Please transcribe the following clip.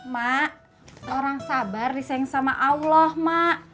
mak orang sabar disayang sama allah mak